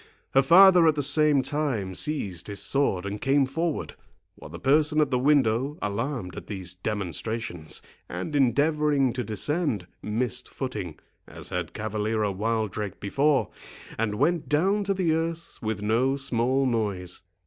Her father at the same time seized his sword and came forward, while the person at the window, alarmed at these demonstrations, and endeavouring to descend, missed footing, as had Cavaliero Wildrake before, and went down to the earth with no small noise.